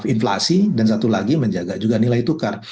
inflasi dan satu lagi menjaga juga nilai tukar